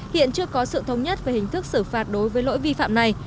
hiện chưa có sự thống nhất về hình thức xử phạt đối với lỗi vi phạm này